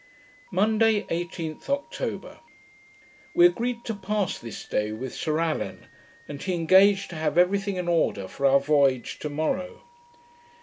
Monday, 18th October We agreed to pass this day with Sir Allan, and he engaged to have every thing in order for our voyage to morrow.